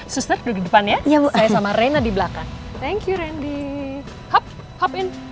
sister duduk di depan ya saya sama reina di belakang thank you randy hop hop in